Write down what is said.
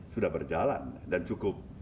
sudah berjalan dan cukup